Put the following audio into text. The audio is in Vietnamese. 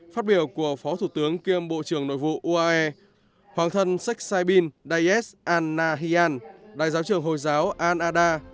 phát biểu của phó thủ tướng kiêm bộ trưởng nội vụ uae hoàng thân sheikh saibin daesh al nahyan đại giáo trưởng hồi giáo al adha